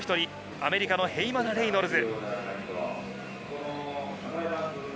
アメリカのヘイマナ・レイノルズ。